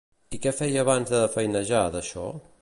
I què feia abans de feinejar d'això?